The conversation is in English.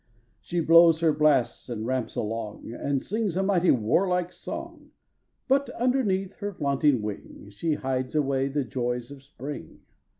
She blows her blasts and ramps along, And sings a mighty war like song, But underneath her flaunting wing She hides away the joys of spring.